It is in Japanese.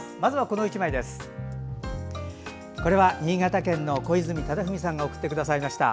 これは新潟県の小泉忠文さんが送ってくださいました。